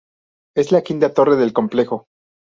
Es la quinta torre del complejo.